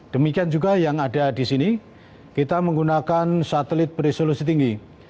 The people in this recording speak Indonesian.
demikian juga yang ada di sini kita menggunakan satelit beresolusi tinggi